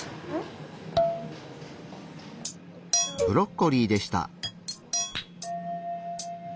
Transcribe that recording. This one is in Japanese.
ブロッコリーでした。